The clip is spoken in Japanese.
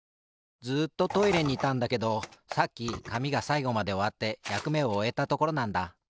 ずっとトイレにいたんだけどさっきかみがさいごまでおわってやくめをおえたところなんだ。